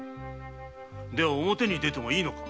では表に出てもいいのか？